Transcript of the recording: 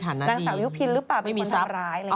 นางสาวยุพินหรือเปล่าเป็นคนทำร้ายเลย